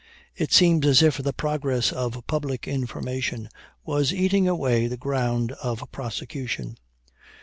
It seems as if the progress of public information was eating away the ground of prosecution.